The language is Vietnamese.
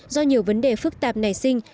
do nhiều vấn đề phức tạp nảy sinh